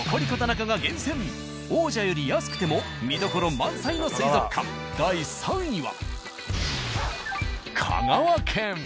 王者より安くても見どころ満載の水族館第３位は。